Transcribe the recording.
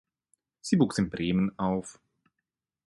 Sie wuchs in Bremen auf.